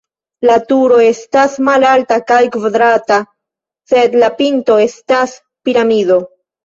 La turo estas malalta kaj kvadrata, sed la pinto estas piramido.